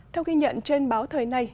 theo ghi nhận trên báo thời nay